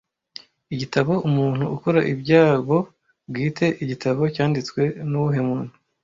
Igitabo 'Umuntu-Ukora ibyabo bwite' igitabo cyanditswe nuwuhe muntu